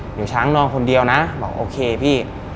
หนูช้างนอนคนเดียวนะบอกโอเคพี่